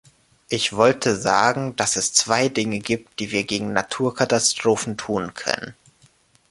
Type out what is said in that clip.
Ich wollte sagen, dass es zwei Dinge gibt, die wir gegen Naturkatastrophen tun können.